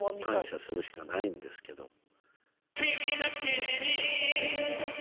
感謝するしかないんですけど。